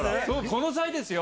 この際ですよ！